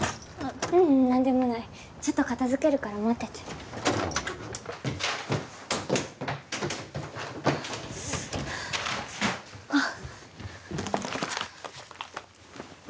ううん何でもないちょっと片づけるから待っててあっあっ